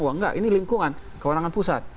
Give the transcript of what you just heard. wah enggak ini lingkungan kewenangan pusat